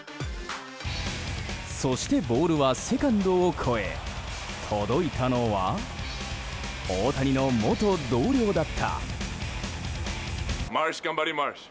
そしてボールはセカンドを越え届いたのは大谷の元同僚だった。